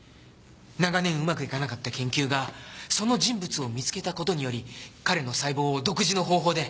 長年うまくいかなかった研究がその人物を見つけた事により彼の細胞を独自の方法で。